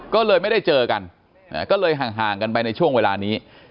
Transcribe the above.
ก็เลยไม่ได้เจอกันก็เลยห่างกันไปในช่วงเวลานี้